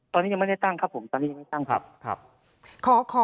ตอนนี้ยังไม่ได้ตั้งครับผม